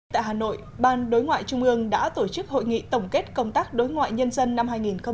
tại hà nội ban đối ngoại trung ương đã tổ chức hội nghị tổng kết công tác đối ngoại nhân dân năm hai nghìn một mươi chín